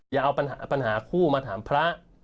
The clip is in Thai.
อย่าเอาปัญหาปัญหาคู่มาถามพระ